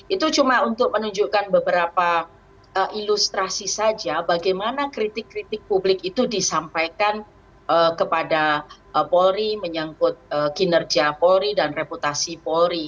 itu cuma untuk menunjukkan beberapa ilustrasi saja bagaimana kritik kritik publik itu disampaikan kepada polri menyangkut kinerja polri dan reputasi polri